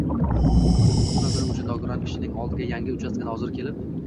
Tunov kuni o‘sha nogiron kishining oldiga yangi uchastka noziri kelib